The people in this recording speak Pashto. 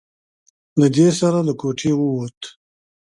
له دې سره له کوټې ووت.